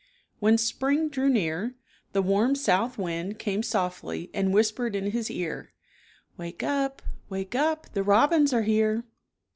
When Spring drew near, the warm south wind came softly and whispered in his ear, " Wake up, wake up, the rob ins are here!"